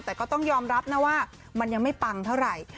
แต่ก็ต้องยอมรับนะว่ามันยังไม่ปังเท่าไหร่